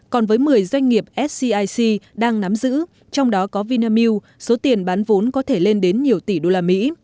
còn với một mươi doanh nghiệp scic đang nắm giữ trong đó có vinamilk số tiền bán vốn có thể lên đến nhiều tỷ đô la mỹ